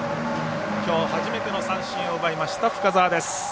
きょう初めての三振を奪いました深沢です。